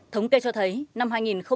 thống kê cho thấy năm hai nghìn hai mươi ba